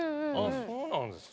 そうなんですね。